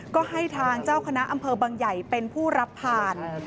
ก็ให้ทางเจ้าคณะอำเภอบังใหญ่เป็นผู้รับผ่าน